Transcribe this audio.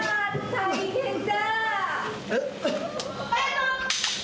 大変だ！